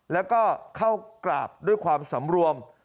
แล้วก็เข้ากราบด้วยความสำรวม